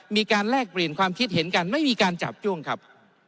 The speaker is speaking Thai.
แลกเปลี่ยนความคิดเห็นกันไม่มีการจับจ้วงครับ